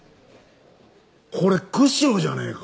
これ釧路じゃねえか？